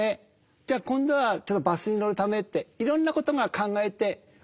じゃあ今度はちょっとバスに乗るためって本人の望みをかなえていく。